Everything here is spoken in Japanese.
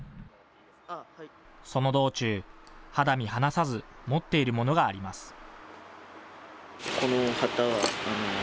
その道中、肌身離さず持っているものがあります。